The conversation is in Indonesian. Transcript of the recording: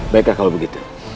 baiklah kalau begitu